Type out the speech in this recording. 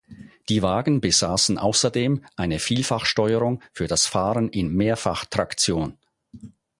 Die Wagen besaßen außerdem eine Vielfachsteuerung für das Fahren in Mehrfachtraktion.